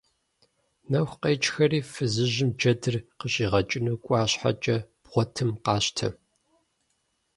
Нэху къекӀхэри фызыжьым джэдыр къыщӀигъэкӀыну кӀуа щхьэкӀэ, бгъуэтым къащтэ!